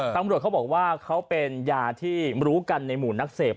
ต่างไปว่าเค้าเป็นยาที่รู้กันในหมู่นักเสพ